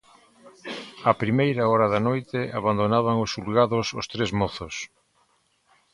A primeira hora da noite abandonaban os xulgados os tres mozos.